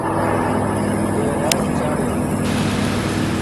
ڈیرا چاھڑیا